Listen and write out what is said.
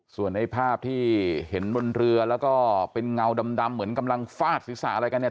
ส่วนในภาพที่เห็นบนเรือแล้วก็เป็นเงาดำเหมือนกำลังฟาดศีรษะอะไรกันเนี่ย